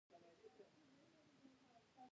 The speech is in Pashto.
افغانستان کې انګور د نن او راتلونکي لپاره ارزښت لري.